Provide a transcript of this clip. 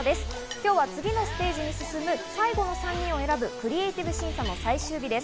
今日は次のステージに進む最後の３人を選ぶクリエイティブ審査の最終日です。